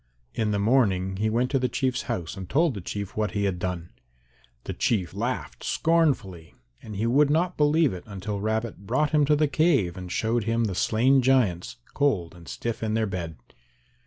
In the morning he went to the Chief's house and told the Chief what he had done. The Chief laughed scornfully and he would not believe it until Rabbit brought him to the cave and showed him the slain giants cold and stiff in their bed.